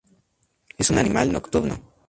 Es un animal nocturno.